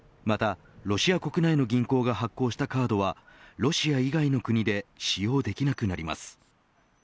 またロシア国内の銀行が発行したカードはロシア以外の国で使用できなくなります。